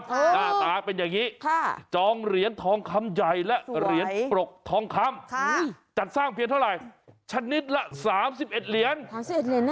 หน้าตาเป็นอย่างนี้จองเหรียญทองคำใหญ่และเหรียญปรกทองคำจัดสร้างเพียงเท่าไหร่ชนิดละ๓๑เหรียญ๓๑เหรียญ